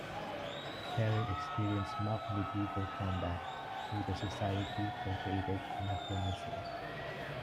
Perrin experienced mock medieval combat through the Society for Creative Anachronism.